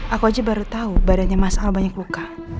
aku aja baru tahu badannya mas al banyak luka